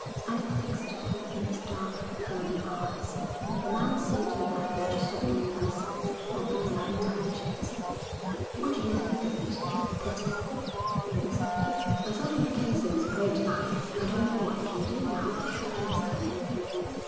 Alec fixed upon him his dark, firm eyes. The man seemed an average sort of person, not without intelligence. 'What do you think of it?' 'Pity,' he said. 'I thought MacKenzie was a great man. I don't know what he can do now but shoot himself.'